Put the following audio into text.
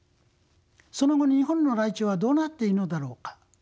その後日本のライチョウはどうなっているのだろうか？